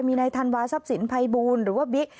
มีนายธันวาสับสินไพบูลหรือว่าบิ๊ก